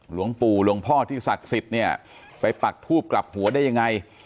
หลวงปู่หลวงพ่อที่ศักดิ์สิทธิ์เนี่ยไปปักทูบกลับหัวได้ยังไง